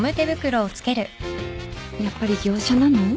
やっぱり業者なの？